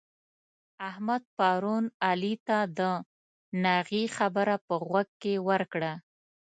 احمد پرون علي ته د ناغې خبره په غوږ کې ورکړه.